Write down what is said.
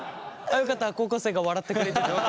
よかった高校生が笑ってくれてて。